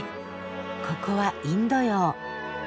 ここはインド洋。